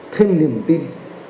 thêm niềm tin